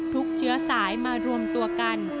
เชื้อสายมารวมตัวกัน